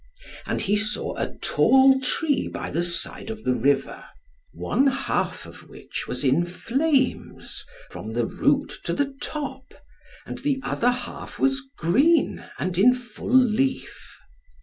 And he saw a tall tree by the side of the river, one half of which was in flames from the root to the top, and the other half was green and in full leaf.